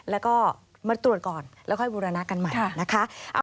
แล้วก็มาตรวจก่อนแล้วค่อยบูรณะกันใหม่นะคะ